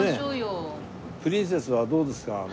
プリンセスはどうですか？